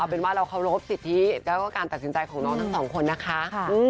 เป็นว่าเราเคารพสิทธิแล้วก็การตัดสินใจของน้องทั้งสองคนนะคะ